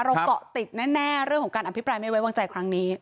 เกาะติดแน่เรื่องของการอภิปรายไม่ไว้วางใจครั้งนี้